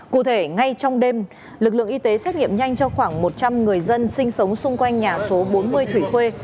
cụ thể ngay trong đêm lực lượng y tế xét nghiệm nhanh cho khoảng một trăm linh người dân sinh sống xung quanh nhà số bốn mươi thủy khuê